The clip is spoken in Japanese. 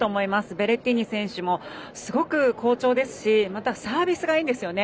ベレッティーニ選手もすごく好調ですしまた、サービスがいいんですよね。